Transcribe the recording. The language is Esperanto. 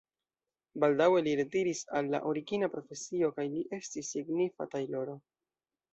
Baldaŭe li retiris al la origina profesio kaj li estis signifa tajloro.